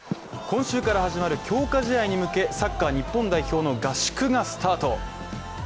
今週から始まる強化試合に向け、サッカー日本代表の合宿がスタート。